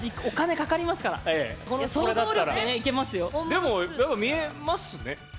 でも見えますね。